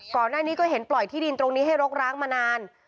ก่อนหน้านี้ก็เห็นปล่อยที่ดินตรงนี้ให้รกร้างมานาน